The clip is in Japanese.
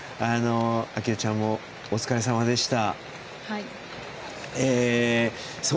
啓代ちゃんもお疲れさまでした。